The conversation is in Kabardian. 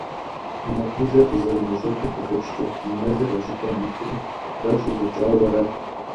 И мэкъумылэр къызэремэщӏэкӏым къыхэкӏкӏэ, и мэлыр а щӏыпӏэм ихури, гъэ щӏигъэкӏауэ арат.